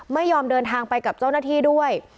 ไม่ยอมเดินทางไปกับเจ้าหน้าที่ด้วย